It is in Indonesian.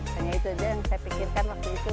hanya itu aja yang saya pikirkan waktu itu